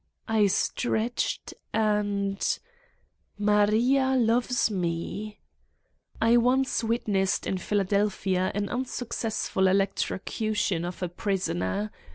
I stretched and .... Maria loves Me! I once witnessed in Philadelphia an unsuccess ful electrocution of a prisoner.